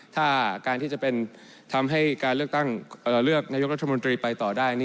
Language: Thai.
ถ้าการที่จะเป็นทำให้การเลือกตั้งเลือกนายกรัฐมนตรีไปต่อได้